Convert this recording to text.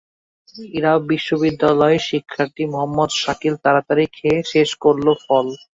ইরা বিদ্যালয়ের শিক্ষার্থী মোহাম্মদ শাকিল তাড়াতাড়ি খেয়ে শেষ করল ফল।